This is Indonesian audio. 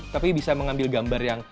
tapi bisa mengambil gambar yang